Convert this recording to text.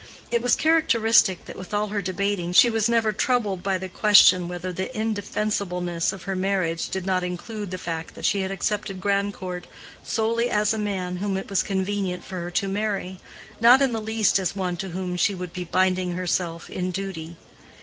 It was characteristic that, with all her debating, she was never troubled by the question whether the indefensibleness of her marriage did not include the fact that she had accepted Grandcourt solely as a man whom it was convenient for her to marry, not in the least as one to whom she would be binding herself in duty.